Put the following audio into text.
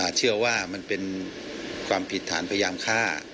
หากผู้ต้องหารายใดเป็นผู้กระทำจะแจ้งข้อหาเพื่อสรุปสำนวนต่อพนักงานอายการจังหวัดกรสินต่อไป